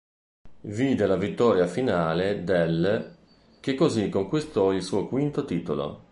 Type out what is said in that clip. Vide la vittoria finale dell', che così conquistò il suo quinto titolo.